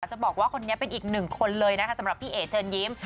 จะบอกว่าคนนี้เป็นอีกหนึ่งคนเลยนะคะสำหรับพี่เอ๋เชิญยิ้ม